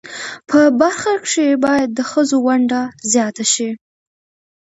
په برخه کښی باید د خځو ونډه ځیاته شی